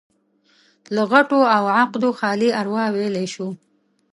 له غوټو او عقدو خالي اروا ويلی شو.